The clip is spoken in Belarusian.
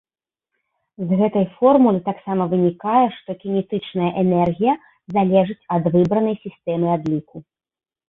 З гэтай формулы таксама вынікае, што кінетычная энергія залежыць ад выбранай сістэмы адліку.